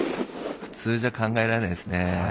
普通じゃ考えられないですね。